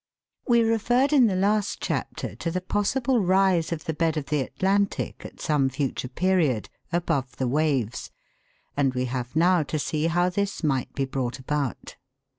WE referred in the last chapter to the possible rise of the bed of the Atlantic (p. 7 6), at some future period, above the waves, and we have now to see how this might be brought about.